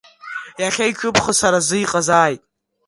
Иахьа иҿыбхыз сара сзы иҟазааит.